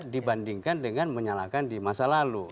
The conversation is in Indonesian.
dibandingkan dengan menyalahkan di masa lalu